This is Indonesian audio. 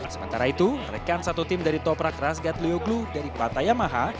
sementara itu rekan satu tim dari toprak razgat lioglu dari kepala yamaha